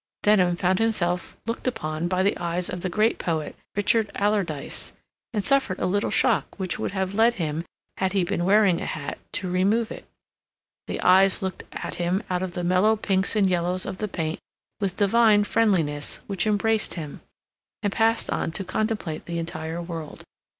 Denham found himself looked down upon by the eyes of the great poet, Richard Alardyce, and suffered a little shock which would have led him, had he been wearing a hat, to remove it. The eyes looked at him out of the mellow pinks and yellows of the paint with divine friendliness, which embraced him, and passed on to contemplate the entire world.